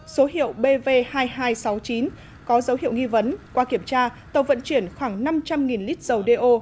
số hiệu bv hai nghìn hai trăm sáu mươi chín có dấu hiệu nghi vấn qua kiểm tra tàu vận chuyển khoảng năm trăm linh lít dầu đeo